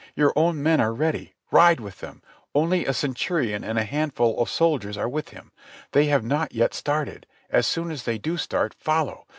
Your own men are ready. Ride with them. Only a centurion and a handful of soldiers are with Him. They have not yet started. As soon as they do start, follow.